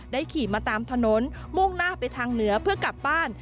ขี่มาตามถนนมุ่งหน้าไปทางเหนือเพื่อกลับบ้าน